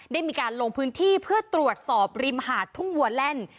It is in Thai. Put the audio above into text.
ได้มีการลงพื้นที่เพื่อตรวจสอบริมหาดทุ่งวัวแล่น